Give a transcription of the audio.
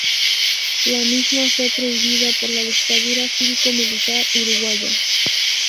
La misma fue prohibida por la dictadura cívico-militar uruguaya.